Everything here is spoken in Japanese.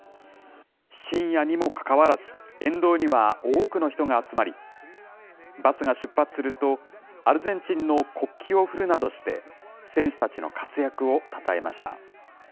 深夜にもかかわらず、沿道には多くの人が集まり、バスが出発すると、アルゼンチンの国旗を振るなどして、選手たちの活躍をたたえました。